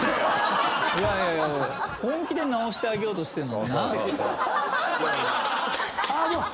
本気で直してあげようとしてんのに。